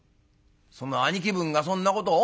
「その兄貴分がそんなことを？